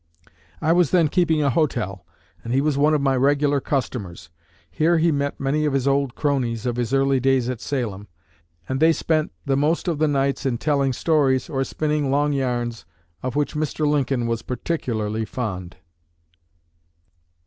I was then keeping a hotel, and he was one of my regular customers. Here he met many of his old cronies of his early days at Salem, and they spent the most of the nights in telling stories or spinning long yarns, of which Mr. Lincoln was particularly fond."